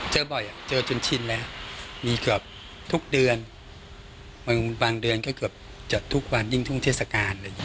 เจอบ่อยอะเจอจนชินแล้วมีเกือบทุกเดือนบางเดือนก็เกือบจัดทุกวันยิ่งทุ่งเทศกาลเลย